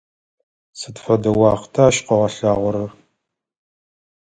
Сыд фэдэ уахъта ащ къыгъэлъагъорэр?